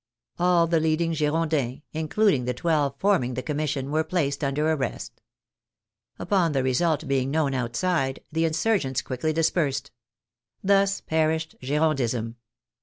All the leading Girondins, including the twelve forming the Commission, were placed under arrest. Upon the result being known outside, the insur gents quickly dispersed. Thus perished Girondism.